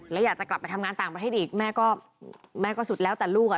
แล้วอยากจะกลับไปทำงานต่างประเทศอีกแม่ก็แม่ก็สุดแล้วแต่ลูกอ่ะ